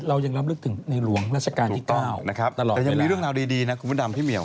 เรายังรับลึกถึงในหลวงรัฐกาลที่๙ตลอดเวลาแต่ยังมีเรื่องราวดีนะคุณพุทธรรมพี่เมียว